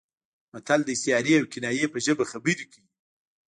متل د استعارې او کنایې په ژبه خبرې کوي